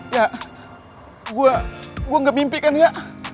ya gua gua nggak mimpi kan ya